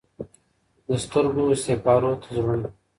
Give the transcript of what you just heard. د سترګو سېپارو ته زړونه